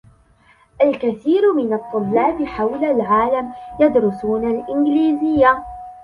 الكثير من الطلاب حول العالم يدرسون الإنجليزية.